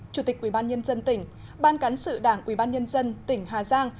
chủ tịch ủy ban nhân dân tỉnh ban cán sự đảng ủy ban nhân dân tỉnh hà giang